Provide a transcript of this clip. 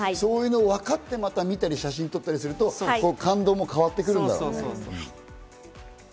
そういうの分かって、また見たりして写真撮ったりすると感動も変わってくるんだろうね。